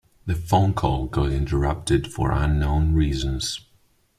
The phone call got interrupted for unknown reasons.